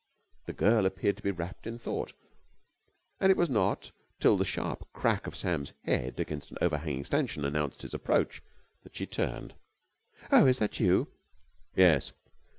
The girl appeared to be wrapped in thought, and it was not till the sharp crack of Sam's head against an overhanging stanchion announced his approach that she turned. "Oh, is that you?" "Yes."